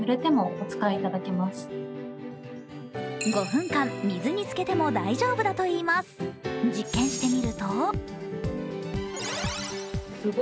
５分間、水につけても大丈夫だといいます。